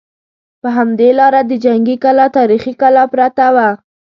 په همدې لاره د جنګي کلا تاریخي کلا پرته وه.